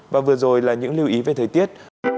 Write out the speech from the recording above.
và vừa rồi là những lưu ý về thời tiết